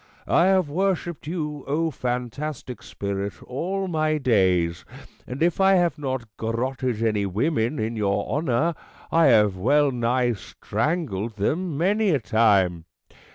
I have worshipped you, O fantastic Spirit, all my days ; and if I have not gar rotted any women in your honour, I have well nigh strangled them many a time.